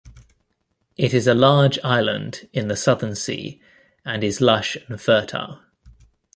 It is a large island in the Southern Sea and is lush and fertile.